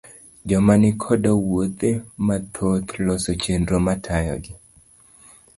Joma ni koda wuothe mathoth, loso chenro matayogi